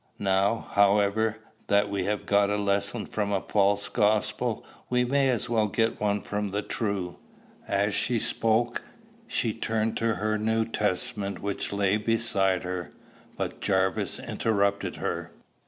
"Now, however, that we have got a lesson from a false gospel, we may as well get one from the true." As she spoke, she turned to her New Testament which lay beside her. But Jarvis interrupted her.